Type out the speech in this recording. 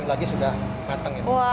pertarung lagi guys